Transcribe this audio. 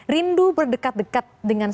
rindu berdekat dekat dengan